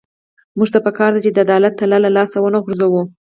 موږ ته پکار ده چې د عدالت تله له لاسه ونه غورځوو.